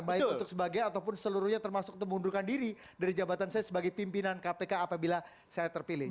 baik untuk sebagian ataupun seluruhnya termasuk untuk mengundurkan diri dari jabatan saya sebagai pimpinan kpk apabila saya terpilih